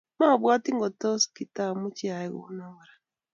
Mabwati ngotos katamuchi ayai kouni kora